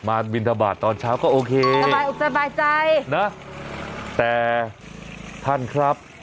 มาสนุนบินที่ถบาทตอนเช้าก็โอเคอุปสนใจค่ะแต่ท่านครับ